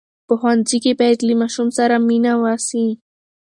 په ښوونځي کې باید له ماشوم سره مینه وسي.